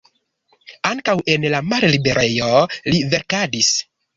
Ankaŭ en la malliberejo li verkadis.